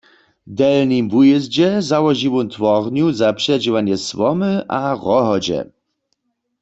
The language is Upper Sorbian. W Delnim Wujězdźe załoži wón twornju za předźěłanje słomy a rohodźe.